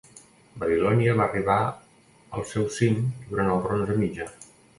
Babilònia va arribar al seu cim durant el bronze mitjà.